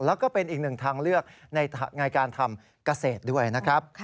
แล้วก็เป็นอีกหนึ่งทางเลือกในการทำเกษตรด้วยนะครับ